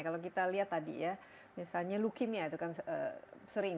kalau kita lihat tadi ya misalnya leukemia itu kan sering